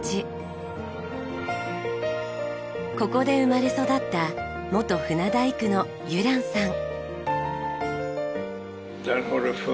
ここで生まれ育った元船大工のユランさん。